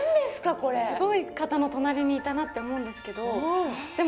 これすごい方の隣にいたなって思うんですけどでも